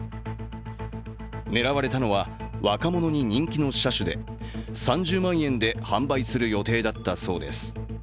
狙われたのは若者に人気の車種で、３０万円で販売する予定だったそうです。